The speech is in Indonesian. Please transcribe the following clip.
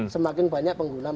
semakin banyak pemerintah